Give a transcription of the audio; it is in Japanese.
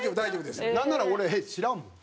なんなら俺知らんもん。